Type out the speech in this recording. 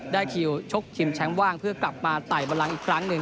คิวชกชิงแชมป์ว่างเพื่อกลับมาไต่บันลังอีกครั้งหนึ่ง